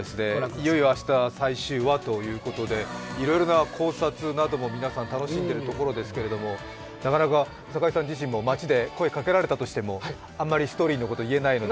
いよいよ明日最終話ということで、いろいろな考察なども皆さん楽しんでいるところですけれどもなかなか堺さん自身も街で声をかけられたとしてもあまりストーリーのこと言えないので。